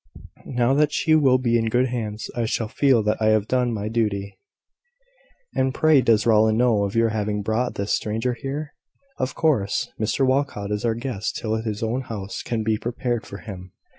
Now that she will be in good hands, I shall feel that I have done my duty." "And, pray, does Rowland know of your having brought this stranger here?" "Of course. Mr Walcot is our guest till his own house can be prepared for him.